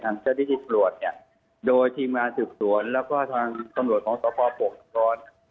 ทางเจ้าดิจส่วนโดยทีมงานศึกษวนแล้วก็ทางส่วนส่วนของสภาพปกรณ์